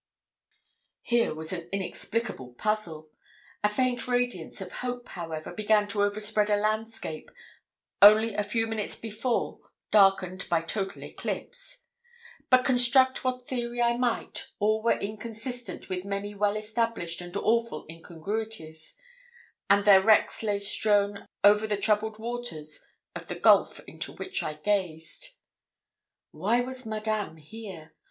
Here was an inexplicable puzzle! A faint radiance of hope, however, began to overspread a landscape only a few minutes before darkened by total eclipse; but construct what theory I might, all were inconsistent with many well established and awful incongruities, and their wrecks lay strown over the troubled waters of the gulf into which I gazed. Why was Madame here?